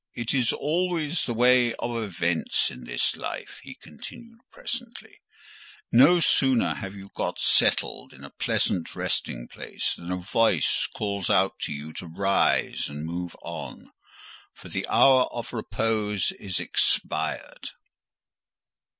"It is always the way of events in this life," he continued presently: "no sooner have you got settled in a pleasant resting place, than a voice calls out to you to rise and move on, for the hour of repose is expired."